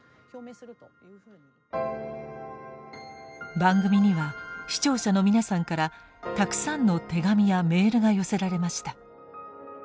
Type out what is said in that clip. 番組には視聴者の皆さんからたくさんの手紙やメールが寄せられました。